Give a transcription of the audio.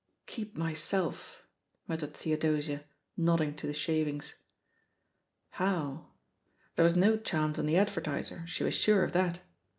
"'Keep myself 1" muttered Theodosia, nodding to the shavingSi, How? There was no chance on The jidver^ tUer, she was sure of that.